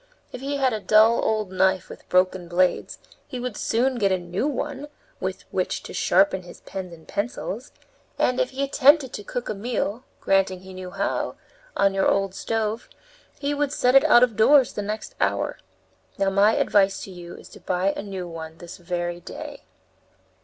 If he had a dull old knife with broken blades, he would soon get a new one with which to sharpen his pens and pencils, and, if he attempted to cook a meal granting he knew how on your old stove, he would set it out of doors the next hour. Now my advice to you is to buy a new one this very day!"